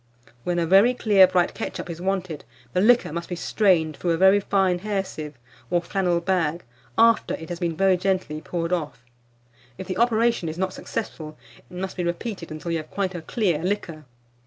When a very clear bright ketchup is wanted, the liquor must be strained through a very fine hair sieve, or flannel bag, after it has been very gently poured off; if the operation is not successful, it must be repeated until you have quite a clear liquor.